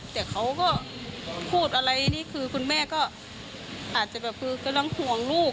แต่เขาก็พูดอะไรคุณแม่ก็อาจจะกำลังห่วงลูก